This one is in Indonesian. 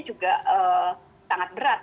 juga sangat berat